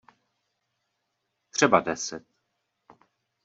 Třeba deset.